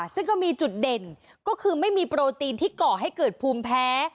ซึ่งก็มีจุดเด่นก็คือไม่มีโปรตีนที่ก่อให้เกิดภูมิแพ้